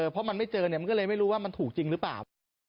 เพราะมันไม่เจอเนี่ยมันก็เลยไม่รู้ว่ามันถูกจริงหรือเปล่า